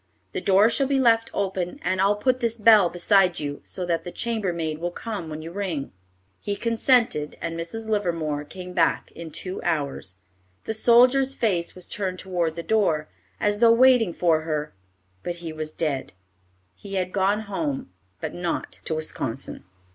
The door shall be left open, and I'll put this bell beside you, so that the chambermaid will come when you ring." He consented, and Mrs. Livermore came back in two hours. The soldier's face was turned toward the door, as though waiting for her, but he was dead. He had gone home, but not to Wisconsin.